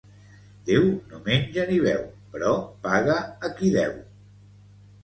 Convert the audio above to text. Déu no menja ni beu, però paga a qui deu.